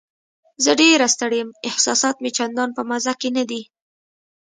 زه ډېره ستړې یم، احساسات مې چندان په مزه کې نه دي.